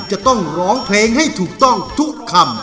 จะต้องร้องเพลงให้ถูกต้องทุกคำ